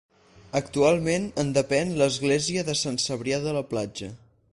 Actualment en depèn l'església de Sant Cebrià de la Platja.